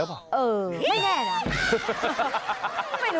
เออไม่แน่นะ